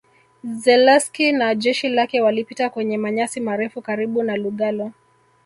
Zelewski na jeshi lake walipita kwenye manyasi marefu karibu na Lugalo